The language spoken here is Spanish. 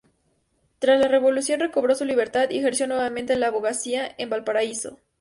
Tras la revolución recobró su libertad y ejerció nuevamente la abogacía en Valparaíso.